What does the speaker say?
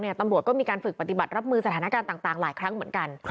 ตำรวจก็มีการฝึกปฏิบัติรับมือสถานการณ์ต่างหลายครั้งเหมือนกัน